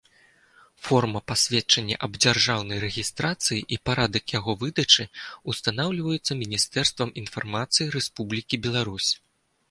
Форма пасведчання аб дзяржаўнай рэгiстрацыi i парадак яго выдачы ўстанаўлiваюцца Мiнiстэрствам iнфармацыi Рэспублiкi Беларусь.